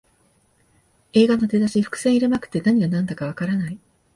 映画の出だし、伏線入れまくって何がなんだかわからない